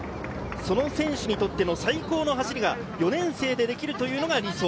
その選手にとっての最高の走りが４年生でできるというのが理想。